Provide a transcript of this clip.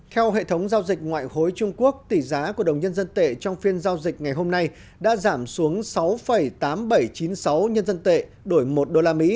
theo hệ thống giao dịch ngoại hối trung quốc tỷ giá của đồng nhân dân tệ trong phiên giao dịch ngày hôm nay đã giảm xuống sáu tám nghìn bảy trăm chín mươi sáu nhân dân tệ đổi một usd